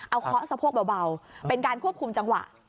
เอาเคาะสะโพกเบาเป็นการควบคุมจังหวะ